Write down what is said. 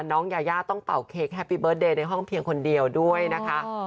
น้องยายาต้องเป่าเค้กแฮปปี้เบิร์ตเดย์ในห้องเพียงคนเดียวด้วยนะคะ